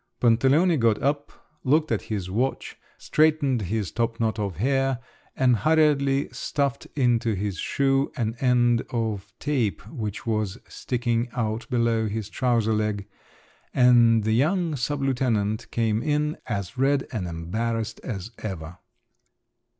Pantaleone got up, looked at his watch, straightened his topknot of hair, and hurriedly stuffed into his shoe an end of tape which was sticking out below his trouser leg, and the young sub lieutenant came in, as red and embarrassed as ever.